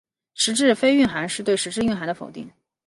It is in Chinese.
实质非蕴涵是对实质蕴涵的否定。